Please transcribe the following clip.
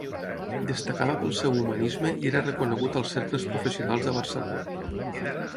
Destacava pel seu humanisme i era reconegut als cercles professionals de Barcelona.